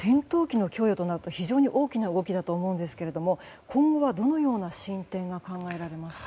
戦闘機の供与となると非常に大きな動きだと思うんですが今後はどのような進展が考えられますか？